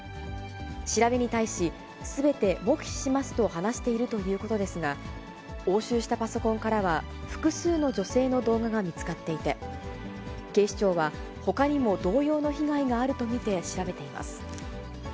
調べに対し、すべて黙秘しますと話しているということですが、押収したパソコンからは、複数の女性の動画が見つかっていて、警視庁は、ほかにも同様の被害があると見て調べています。